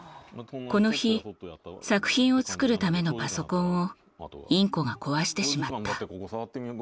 この日作品を作るためのパソコンをインコが壊してしまった。